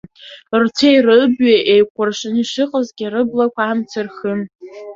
Рцәеи-рыбаҩи еикәыршаны ишыҟазгьы, рыблақәа амца рхын.